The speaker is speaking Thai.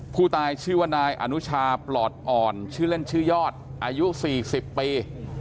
ผู้ตายชื่อว่านายอนุชาปลอดอ่อนชื่อเล่นชื่อยอดอายุ๔๐ปี